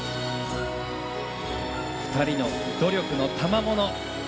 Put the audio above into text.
２人の努力のたまもの。